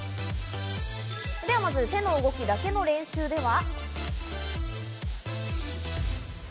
まず手の動きだけの練習では。